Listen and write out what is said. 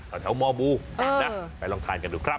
ตรงเท้ามบูไปลองทานกันดูครับ